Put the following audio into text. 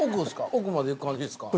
奥まで行く感じですか？